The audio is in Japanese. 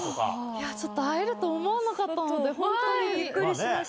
いや、ちょっと会えると思わなかったので、本当にびっくりしました。